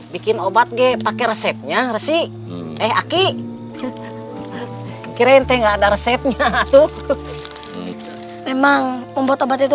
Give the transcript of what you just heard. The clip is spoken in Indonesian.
bikin obat g pakai resepnya resi eh aki kirente enggak ada resepnya tuh memang membuat obat itu